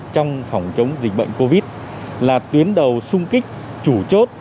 trong phòng chống dịch bệnh covid là tuyến đầu sung kích chủ chốt